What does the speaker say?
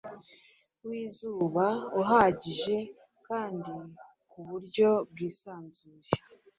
w’izuba uhagije kandi ku buryo bwisanzuye,